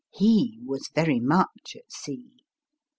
He was very much at sea.